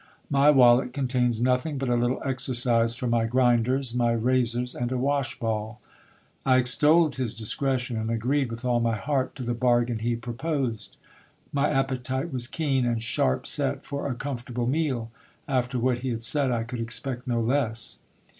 My wallet contains nothing but a little exercise for my grinders, my razors, and a wash ball. I extolled his discretion, and agreed with all my heart to the bargain he proposed. My appetite was keen and sharp set for a comfortable meal ; after what he had said, I could expect no less.